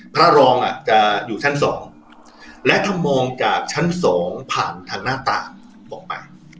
พระรองจะอยู่ชั้น๒และถ้ามองจากชั้น๒ผ่านทางหน้าต่างออกไป